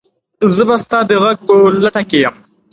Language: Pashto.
زه به ستا د غږ په لټه کې یم.